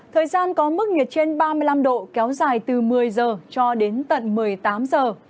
thời gian có mức nhiệt trên ba mươi năm độ kéo dài từ một mươi giờ cho đến tận một mươi tám giờ